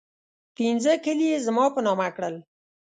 پنځه کلي یې زما په نامه کړل.